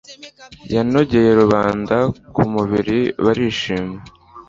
Yanogeye rubanda ku mubiri barishima